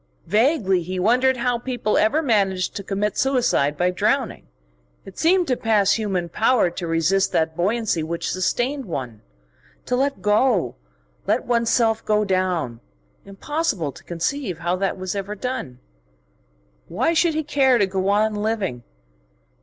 Vaguely he wondered how people ever managed to commit suicide by drowning; it seemed to pass human power to resist that buoyancy which sustained one, to let go, let one's self go down. Impossible to conceive how that was ever done.... Why should he care to go on living?